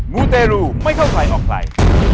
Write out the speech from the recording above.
มูเตรูไม่เข้าใครออกใคร